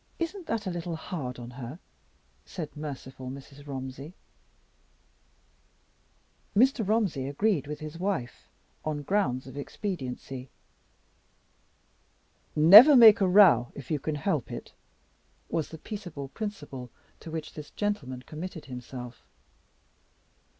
"Isn't that a little hard on her?" said merciful Mrs. Romsey. Mr. Romsey agreed with his wife, on grounds of expediency. "Never make a row if you can help it," was the peaceable principle to which this gentleman committed himself.